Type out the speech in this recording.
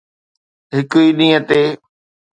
هڪ ئي ڏينهن تي